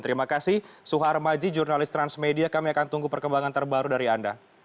terima kasih suhar maji jurnalis transmedia kami akan tunggu perkembangan terbaru dari anda